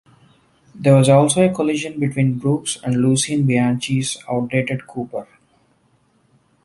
There was also a collision between Brooks and Lucien Bianchi's outdated Cooper.